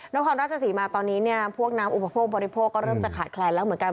นครราชศรีมาตอนนี้เนี่ยพวกน้ำอุปโภคบริโภคก็เริ่มจะขาดแคลนแล้วเหมือนกัน